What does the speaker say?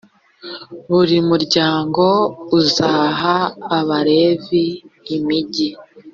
buri muryango uzaha abalevi imigi